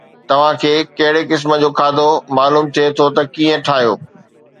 توهان کي ڪهڙي قسم جو کاڌو معلوم ٿئي ٿو ته ڪيئن ٺاهيو؟